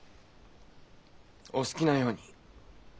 お好きなように。